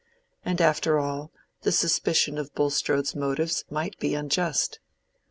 And after all, the suspicion of Bulstrode's motives might be unjust.